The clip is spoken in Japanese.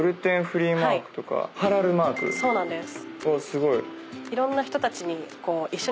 そうなんです。